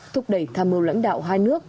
thúc đẩy tham mưu lãnh đạo hai nước